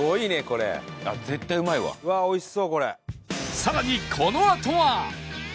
さらにこのあとは